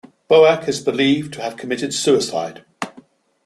Boake is believed to have committed suicide.